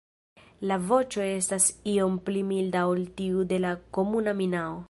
La voĉo estas iom pli milda ol tiu de la Komuna minao.